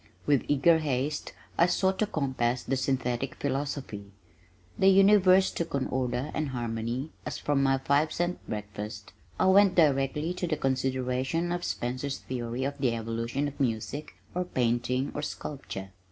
With eager haste I sought to compass the "Synthetic Philosophy." The universe took on order and harmony as, from my five cent breakfast, I went directly to the consideration of Spencer's theory of the evolution of music or painting or sculpture.